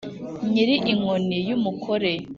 nyiri inkoni yu mukore,